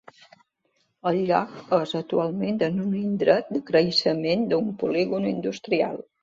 El lloc és actualment en un indret de creixement d'un polígon industrial.